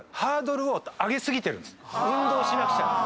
運動しなくちゃって。